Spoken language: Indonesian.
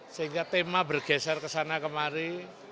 sehingga tema bergeser ke sana kemari